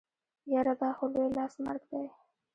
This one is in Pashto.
يره دا خو لوی لاس مرګ دی.